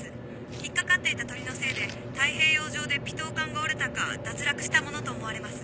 引っ掛かっていた鳥のせいで太平洋上でピトー管が折れたか脱落したものと思われます。